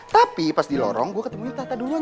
tapi pas di lorong gue ketemuin tata duluan